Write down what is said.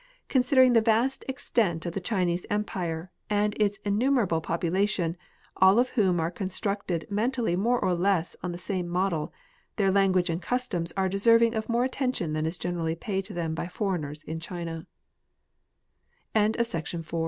considering the vast extent of the Chinese empire and its innumerable population, all of whom are con structed mentally more or less on the same model, their language and customs are deserving of more attention than is generally pa